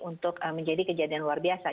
untuk menjadi kejadian luar biasa